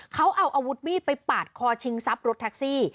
เขาเอาอาวุธมีดไปปาดคอชิงทรัพย์รถแท็กซี่